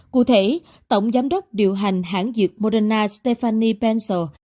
cụ thể tổng giám đốc điều hành hãng dược moderna stephanie pencil